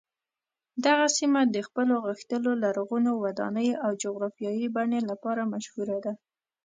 دغه سیمه د خپلو غښتلو لرغونو ودانیو او جغرافیايي بڼې لپاره مشهوره ده.